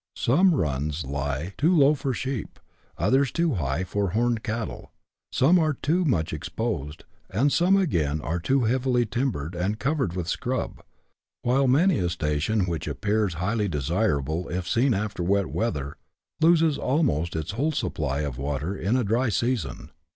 Some " runs " lie too low for sheep, others too high for horned cattle ; some are too much exposed, and some again are too heavily timbered and covered with " scrub," while many a station which appears highly desirable if seen after wet weather, loses almost its whole supply of water in a dry season.